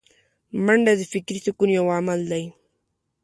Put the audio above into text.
منډه د فکري سکون یو عمل دی